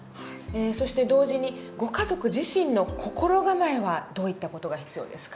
そして同時にご家族自身の心構えはどういった事が必要ですか？